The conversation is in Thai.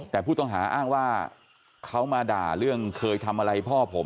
แต่ผู้ต้องหาอ้างว่าเขามาด่าเรื่องเคยทำอะไรพ่อผม